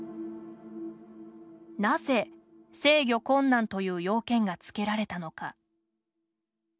なぜ制御困難という要件がつけられたのか。